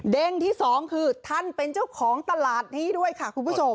ที่สองคือท่านเป็นเจ้าของตลาดนี้ด้วยค่ะคุณผู้ชม